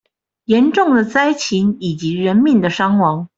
嚴重的災情以及人命的傷亡